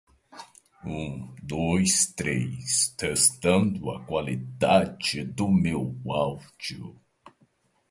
A pensar morreu o burro.